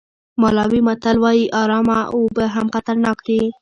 مالاوي متل وایي ارامه اوبه هم خطرناک دي.